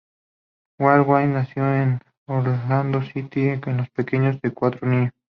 Wardell Gray nació en Oklahoma City, el más pequeño de cuatro niños.